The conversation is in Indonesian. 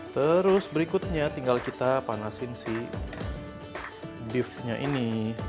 terus berikutnya tinggal kita panasin si beefnya ini